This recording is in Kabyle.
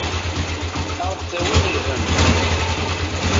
Ad aɣ-d-tawim lhemm.